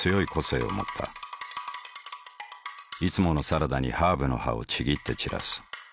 いつものサラダにハーブの葉をちぎって散らす。